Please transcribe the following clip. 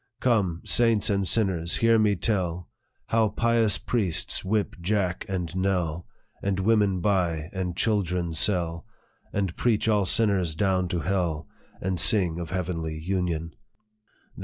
" Come, saints and sinners, hear me tell How pious priests whip Jack and Nell, And women buy and children sell, And preach all sinners down to hell, And sing of heavenly union.